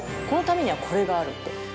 このためにはこれがあるって。